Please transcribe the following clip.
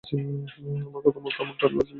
আমার কথামত, আমরা তালি বাজালে তুমিও বাজাবে।